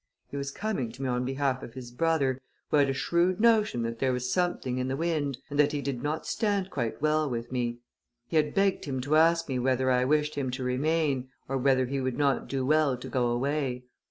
He was coming to me on behalf of his brother, who had a shrewd notion that there was something in the wind, and that he did not stand quite well with me; he had begged him to ask me whether I wished him to remain, or whether he would not do well to go away.